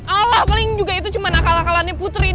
alah paling juga itu cuma nakal nakalannya putri doang